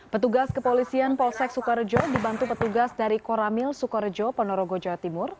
petugas kepolisian polsek sukorejo dibantu petugas dari koramil sukorejo ponorogo jawa timur